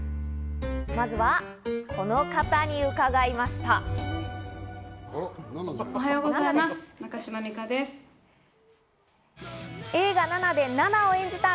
まずはこの方に伺いました。